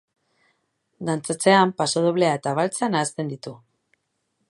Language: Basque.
Dantzatzean pasodoblea eta baltsa nahasten ditu.